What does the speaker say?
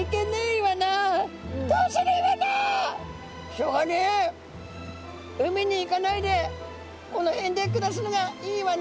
「しょうがねえ海に行かないでこの辺で暮らすのがイイワナ」。